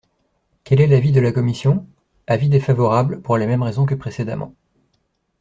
Quel est l’avis de la commission ? Avis défavorable, pour les mêmes raisons que précédemment.